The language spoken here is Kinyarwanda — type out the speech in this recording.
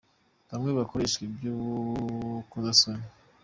bamwe kakoreshwa iby'urukozasoni.